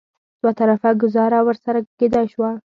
دوه طرفه ګوزاره ورسره کېدای شوه.